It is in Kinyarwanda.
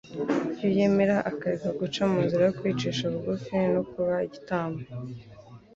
iyo yemera akariga guca mu nzira yo kwicisha bugufi no kuba igitambo.